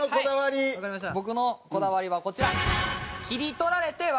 僕のこだわりはこちら。